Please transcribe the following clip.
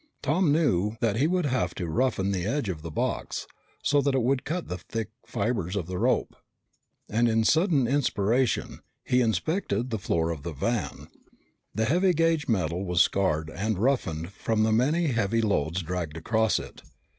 Tom knew that he would have to roughen the edge of the box, so that it would cut the thick fibers of the rope, and in sudden inspiration, he inspected the floor of the van. The heavy gauge metal was scarred and roughened from the many heavy loads dragged across it.